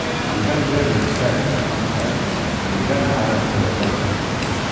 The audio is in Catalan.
Divendres na Cel i en Marcel aniran a Aras de los Olmos.